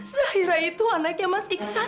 sahira itu anaknya mas iksan